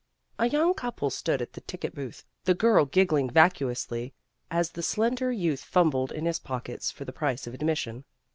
A young couple stood at the ticket booth, the girl giggling vacuously as the very slender youth fumbled in his pockets for the price of admission.